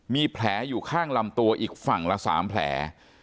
มีแผลอยู่ข้างลำตัวอีกฝั่งละ๓แผล